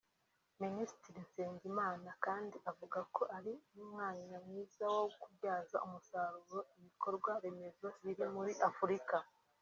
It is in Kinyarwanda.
Minisitiri Nsengimana kandi avuga ko ari n’umwanya mwiza wo kubyaza umusaruro ibikorwa remezo biri muri Afurika